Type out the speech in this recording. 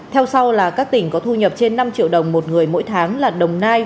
theo sau là các tỉnh có thu nhập trên năm triệu đồng một người mỗi tháng là đồng nai